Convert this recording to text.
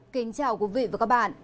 kính chào quý vị và các bạn